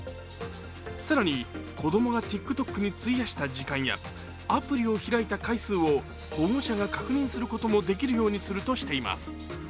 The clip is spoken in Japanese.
更に、子供がＴｉｋＴｏｋに費やした時間やアプリを開いた回数を保護者が確認することもできるようにするとしています。